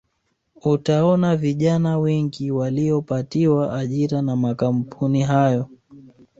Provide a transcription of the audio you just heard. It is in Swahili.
Utaona vijana wengi waliopatiwa ajira na makampuni hayo